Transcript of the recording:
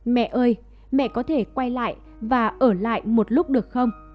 mẹ ơi mẹ có thể quay lại và ở lại một lúc được không